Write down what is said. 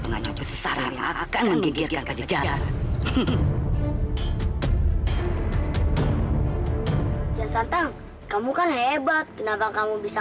banyak besar akan menggigitkan kejaran ya santang kamu kan hebat kenapa kamu bisa